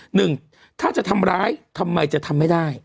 หนึ่งถ้าจะทำร้ายทำไมจะทำไม่ได้